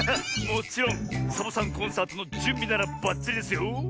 もちろんサボさんコンサートのじゅんびならばっちりですよ。